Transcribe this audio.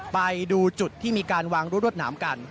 ไปดูจุดที่มีการวางรั้วรวดหนามกัน